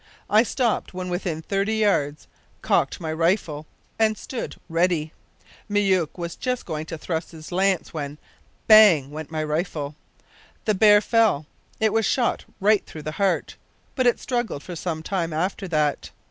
I stopped when within thirty yards, cocked my rifle, and stood ready. Myouk was just going to thrust with his lance when bang! went my rifle. The bear fell. It was shot right through the heart, but it struggled for some time after that.